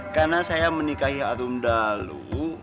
karena saya menikahi arum dalu